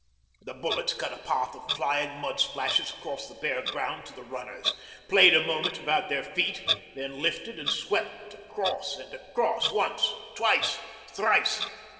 The bullets cut a path of flying mud splashes across the bare ground to the runners, played a moment about their feet, then lifted and swept across and across once, twice, thrice.